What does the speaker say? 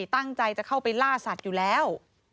ตั้งใจจะเข้าไปล่าสัตว์อยู่แล้ว